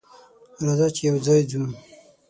راځه چې یوځای ځو.